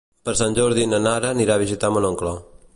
Per Sant Jordi na Nara anirà a visitar mon oncle.